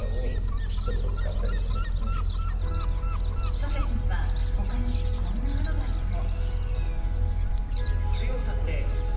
書籍には他にこんなアドバイスも。